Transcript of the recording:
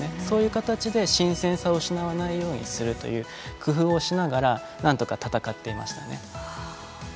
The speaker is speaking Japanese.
そういう形で新鮮さを失わないようにする工夫をしながらなんとか戦っていましたね。